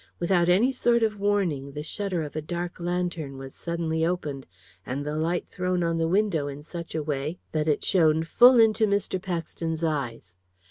Without any sort of warning, the shutter of a dark lantern was suddenly opened, and the light thrown on the window in such a way that it shone full into Mr. Paxton's eyes.